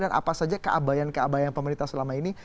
dan apa saja keabayan keabayan pemerintah selama ini